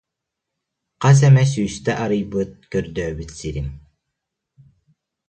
Хас эмэ сүүстэ арыйбыт, көрдөөбүт сирим